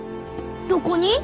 どこに？